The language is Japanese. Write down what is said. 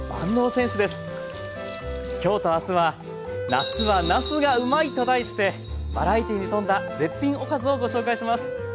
今日と明日は「夏はなすがうまい！」と題してバラエティーに富んだ絶品おかずをご紹介します。